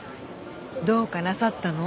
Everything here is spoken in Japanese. どうかなさったの？